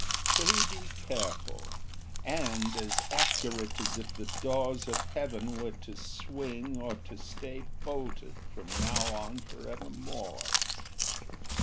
Pray be careful, and as accurate as if the doors of heaven Were to swing or to stay bolted from now on for evermore."